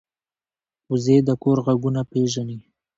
وزې د کور غږونه پېژني